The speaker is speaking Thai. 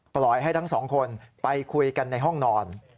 ปล่อยให้ทั้งสองคนไปคุยกันในห้องนอน